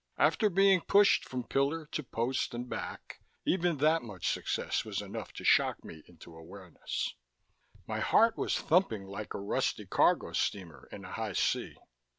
After being pushed from pillar to post and back, even that much success was enough to shock me into awareness. My heart was thumping like a rusty cargo steamer in a high sea.